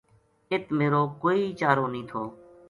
اِت میرو کوئی چارو نیہہ تھو